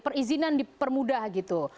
perizinan dipermudah gitu